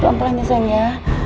pelan pelan ya sayang ya